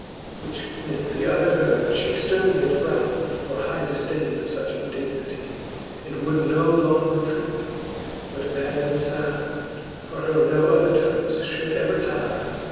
Which when the other heard, ftie fternly frownd For high diidaine of fuch indignity, And would no lenger treat, but bad them found ; For her no other termes ftiould ever tie.